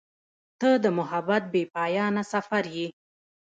• ته د محبت بېپایانه سفر یې.